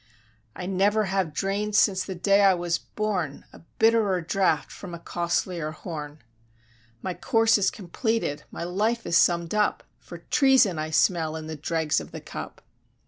"I never have drain'd, since the day I was born, A bitterer draught, from a costlier horn: "My course is completed, my life is summ'd up, For treason I smell in the dregs of the cup."